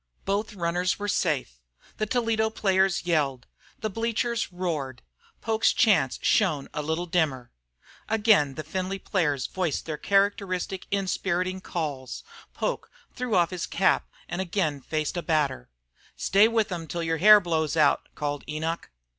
Both runners were safe. The Toledo players yelled; the bleachers roared; Poke's chance shone a little dimmer. Again the Findlay players voiced their characteristic inspiriting calls. Poke threw off his cap and again faced a batter. "Stay with 'em till your hair blows out!" called Enoch.